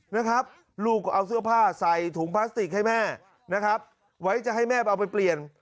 นะครับลูกก็เอาเสื้อผ้าใส่ถุงพลาสติกให้แม่นะครับไว้จะให้แม่ไปเอาไปเปลี่ยน